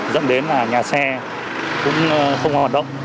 dẫn đến là nhà xe cũng không hoạt động